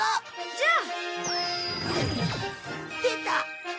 「じゃあ」出た。